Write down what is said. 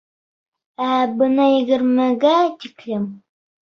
Ә бына егермегә тиклем...